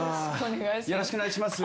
よろしくお願いします。